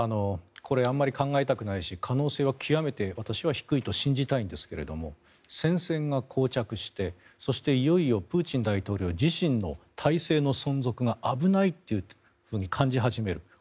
これ、あまり考えたくないし可能性は極めて低いと私は信じたいんですが戦線がこう着してそして、いよいよプーチン大統領自身の体制の存続が危ないと感じ始める。